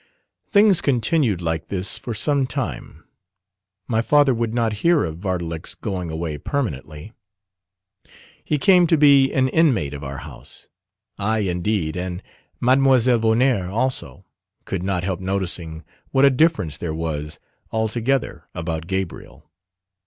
Things continued like this for some time. My father would not hear of Vardalek's going away permanently. He came to be an inmate of our house. I indeed, and Mlle Vonnaert also, could not help noticing what a difference there was altogether about Gabriel.